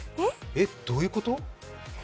え、どういうこと！？